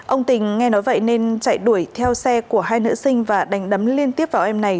ông tình nghe nói vậy nên chạy đuổi theo xe của hai nữ sinh và đánh đấm liên tiếp vào em này